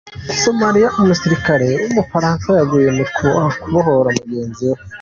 Somaliya Umusirikare w’Umufaransa yaguye mu kubohora mugenzi we